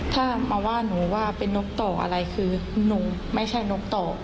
ถ้ามาว่าหนูว่าเป็นนกต่ออะไรคือหนูไม่ใช่นกต่อ